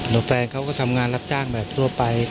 แล้วแฟนเขาก็ทำงานรับจ้างแบบทั่วไป